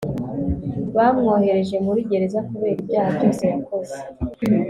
bamwohereje muri gereza kubera ibyaha byose yakoze